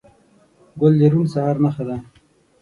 ګل د روڼ سهار نښه ده.